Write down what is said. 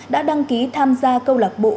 đã đăng ký tham gia câu lạc bộ